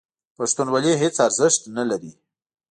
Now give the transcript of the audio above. پښتونولي هېڅ ارزښت نه لري.